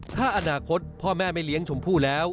ถ้าอนาคตพ่อแม่ไม่เลี้ยงชมพู่แล้ว